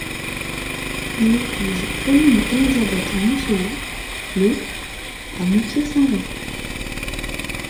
Il épouse Pauline Élisabeth Moncelot le à Moutiers-Saint-Jean.